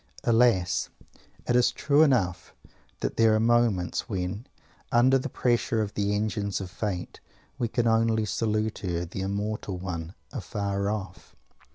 _ Alas! It is true enough that there are moments, when, under the pressure of the engines of fate, we can only salute her the immortal one afar off.